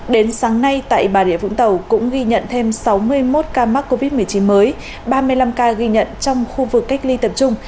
đến sáng nay tại bà rịa vũng tàu cũng ghi nhận thêm sáu mươi một ca mắc covid một mươi chín mới ba mươi năm ca ghi nhận trong khu vực cách ly tập trung